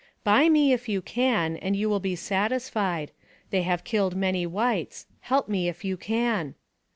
" Buy me if you can, and you will be satisfied. They have killed many whites. Help me if you can.